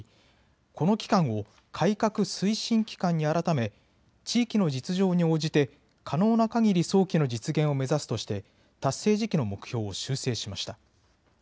この期間を改革推進期間に改め地域の実情に応じて可能なかぎり早期の実現を目指すとして達成時期の目標を修正しました。